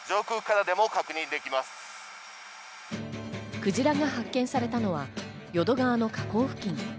クジラが発見されたのは淀川の河口付近。